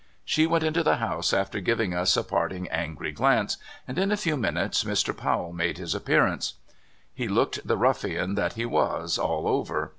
She went into the house after giving us a part ting angry glance, and in a few minutes Mr. Pow ell made his appearance. He looked the ruffian that he was all over.